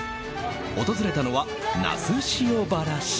訪れたのは那須塩原市。